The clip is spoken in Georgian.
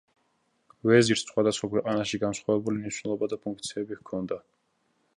ვეზირს სხვადასხვა ქვეყანაში განსხვავებული მნიშვნელობა და ფუნქციები ჰქონდა.